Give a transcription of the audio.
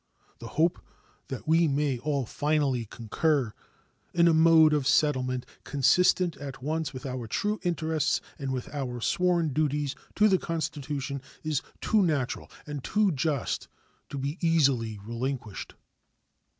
The hope that we may all finally concur in a mode of settlement consistent at once with our true interests and with our sworn duties to the Constitution is too natural and too just to be easily relinquished.